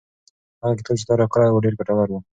هغه کتاب چې تا راکړی و ډېر ګټور و.